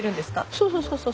そうそうそうそう。